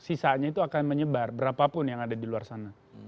sisanya itu akan menyebar berapapun yang ada di luar sana